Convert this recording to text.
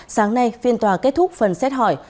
sáng nay phiên tòa kết thúc phần xét hỏi